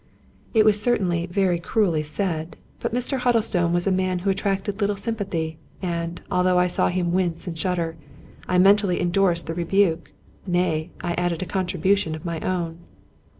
It was certainly very cruelly said; but Mr. Huddlestone was a man who attracted little sympathy; and, although I saw him wince and shudder, I mentally indorsed the re buke ; nay, I added a contribution of my own.